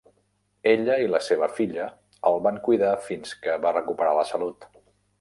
Ella i la seva filla el van cuidar fins que va recuperar la salut.